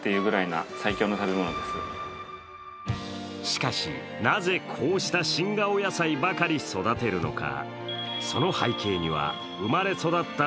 しかし、なぜこうした新顔野菜ばかり育てるのか。